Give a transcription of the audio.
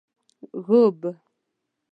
ږوب